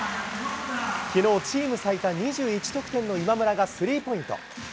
きのうチーム最多２１得点の今村がスリーポイント。